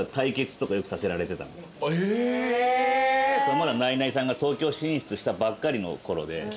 まだナイナイさんが東京進出したばっかりのころで。